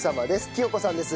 喜代子さんです。